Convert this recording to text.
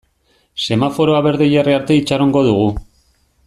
Semaforoa berde jarri arte itxarongo dugu.